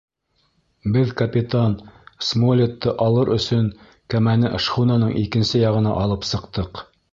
Беҙ капитан Смолетты алыр өсөн кәмәне шхунаның икенсе яғына алып сыҡтыҡ.